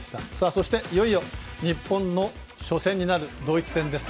そして、いよいよ日本の初戦になるドイツ戦。